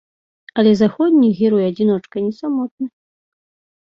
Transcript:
Але заходні герой-адзіночка не самотны.